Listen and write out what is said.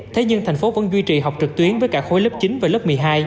thế nhưng thành phố vẫn duy trì học trực tuyến với cả khối lớp chín và lớp một mươi hai